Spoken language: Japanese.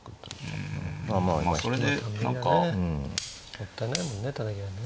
もったいないもんねタダじゃね。